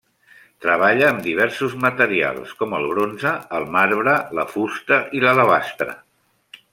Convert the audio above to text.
Treballa amb diversos materials, com el bronze, el marbre, la fusta i l'alabastre.